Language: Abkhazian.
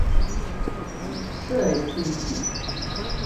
Иԥсы ааивигеит.